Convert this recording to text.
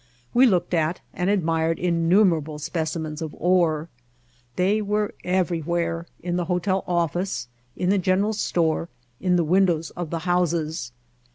We looked at and admired innumerable specimens of ore. They were everywhere, in the hotel office, in the general store, in the windows of the houses.